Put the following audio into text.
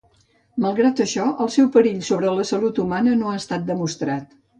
Malgrat això, el seu perill sobre la salut humana no ha estat demostrat.